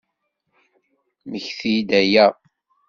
Mmektit-d aya!